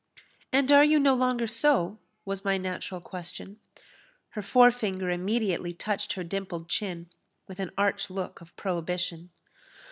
"And are you no longer so?" was my natural question. Her fore finger immediately touched her dimpled chin, with an arch look of prohibition.